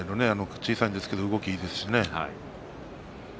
小さいですが動きがいいですね。